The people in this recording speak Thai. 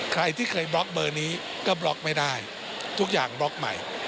ใครที่เคยบล็อกเบอร์นี้ก็บล็อกไม่ได้ทุกอย่างบล็อกใหม่